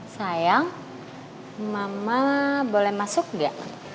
sayang mama boleh masuk nggak